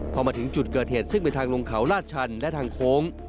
พอมาถึงจุดเกิดเหตุซึ่งเป็นทางลงเขาลาดชันและทางโค้ง